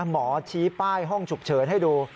หมอชี้ป้ายห้องฉุกเฉินให้ดู